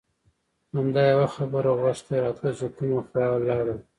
همدا یوه خبره غوږ ته راتله چې کومه خوا لاړل.